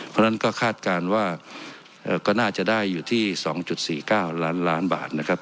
เพราะฉะนั้นก็คาดการณ์ว่าก็น่าจะได้อยู่ที่๒๔๙ล้านล้านบาทนะครับ